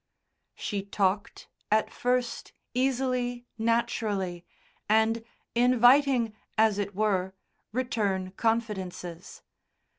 She talked, at first easily, naturally, and inviting, as it were, return confidences.